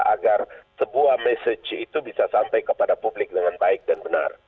agar sebuah message itu bisa sampai kepada publik dengan baik dan benar